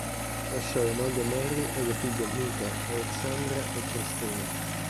Lasciò la moglie Mery e le figlie Micah, Alexandra e Christina.